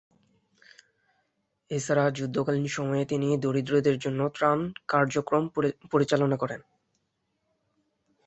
এছাড়া যুদ্ধকালীন সময়ে তিনি দরিদ্রদের জন্য ত্রাণ কার্যক্রম পরিচালনা করেন।